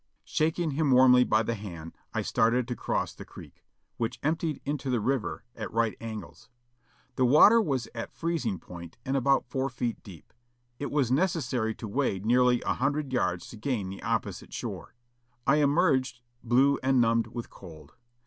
Shaking him warmly by the hand I started to cross the creek, which emptied into the river at right angles. The water was at freezing point and about four feet deep ; it was necessary to wade nearly a hundred yards to gain the opposite shore. I emerged blue and numbed with cold.